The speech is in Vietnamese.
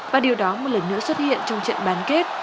và điều đó một lần nữa xuất hiện trong trận bán kết